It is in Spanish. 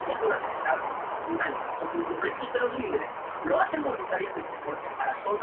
Miedos de un payaso' no es bueno.